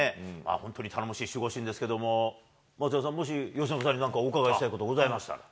本当に頼もしい守護神ですけれども、松也さん、もし由伸さんにお伺いしたいことありましたから。